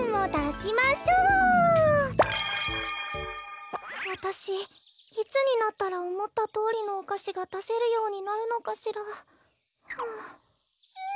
こころのこえわたしいつになったらおもったとおりのおかしがだせるようになるのかしら。